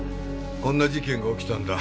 こんな事件が起きたんだ。